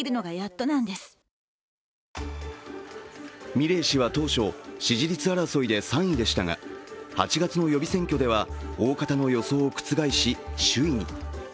ミレイ氏は当初、支持率争いで３位でしたが８月の予備選挙では大方の予想を覆し、首位に。